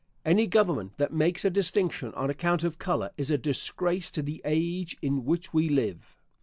Any government that makes a distinction on account of color, is a disgrace to the age in which we live.